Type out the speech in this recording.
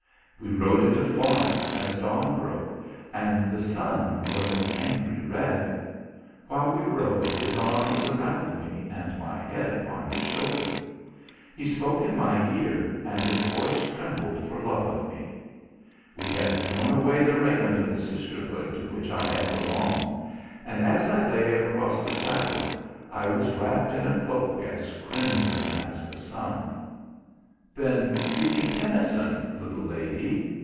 We rode into Florence as dawn broke, and the sun was an angry red; while we rode his arm was around me and my head upon his shoulder. He spoke in my ear and his voice trembled for love of me. We had thrown away the raiment of the sisterhood to which I had belonged, and as I lay across the saddle I was wrapped in a cloak as crimson as the sun." "Been reading Tennyson, little lady?"